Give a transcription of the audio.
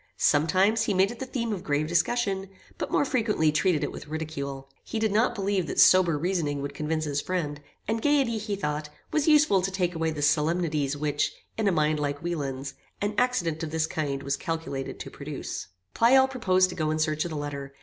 Sometimes, he made it the theme of grave discussion, but more frequently treated it with ridicule. He did not believe that sober reasoning would convince his friend, and gaiety, he thought, was useful to take away the solemnities which, in a mind like Wieland's, an accident of this kind was calculated to produce. Pleyel proposed to go in search of the letter.